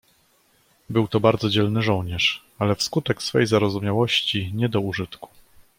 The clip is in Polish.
"Był to bardzo dzielny żołnierz, ale wskutek swej zarozumiałości nie do użytku."